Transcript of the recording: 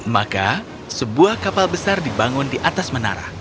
maka sebuah kapal besar dibangun di atas menara